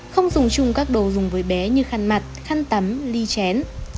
không dùng chung các đồ dùng với bé như khăn mặt khăn tắm ly chén